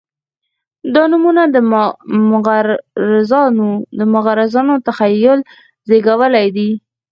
دا نومونه د مغرضانو تخیل زېږولي دي.